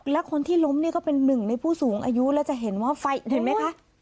และคนที่ล้มนี่ก็เป็นหนึ่งในผู้สูงอายุแล้วจะเห็นว่าไฟเห็นไหมคะ